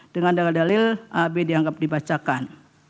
dengan dalil dalil ab dianggap dibacakan